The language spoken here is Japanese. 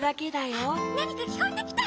・あっなにかきこえてきた！